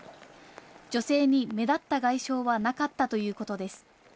女性に目立った外傷はなかったということです。